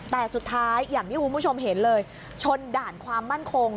แต่สุดท้ายอย่างที่คุณผู้ชมเห็นเลยชนด่านความมั่นคง